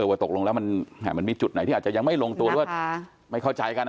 ว่าตกลงแล้วมันมีจุดไหนที่อาจจะยังไม่ลงตัวหรือว่าไม่เข้าใจกัน